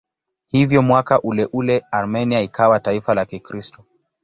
Hivyo mwaka uleule Armenia ikawa taifa la Kikristo.